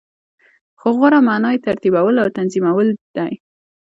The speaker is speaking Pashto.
خو غوره معنا یی ترتیبول او تنظیمول دی .